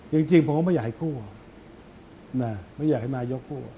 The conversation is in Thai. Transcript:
อย่างจริงผมก็ไม่อยากให้กลัวไม่อยากให้นายศัลย์ยกลัว